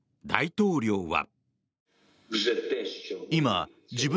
大統領は。